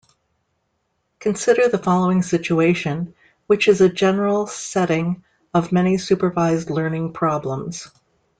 Consider the following situation, which is a general setting of many supervised learning problems.